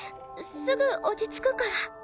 すぐ落ち着くから。